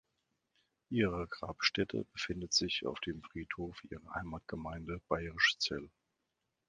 Ihre Grabstätte befindet sich auf dem Friedhof ihrer Heimatgemeinde Bayrischzell.